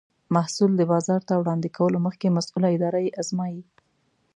محصول د بازار ته وړاندې کولو مخکې مسؤله اداره یې ازمایي.